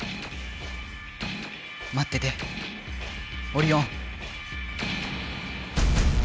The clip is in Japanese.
まっててオリオン！